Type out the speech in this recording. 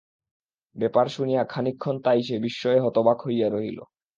ব্যাপার শুনিয়া খানিকক্ষণ তাই সে বিস্ময়ে হতবাক হইয়া রহিল।